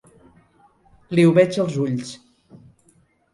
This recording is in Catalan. Li ho veig als ulls.